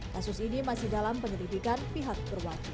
kasus ini masih dalam penyelidikan pihak perwakilan